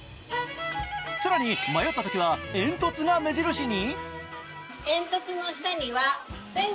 更に、迷ったときは煙突が目印に？